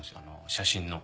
写真の。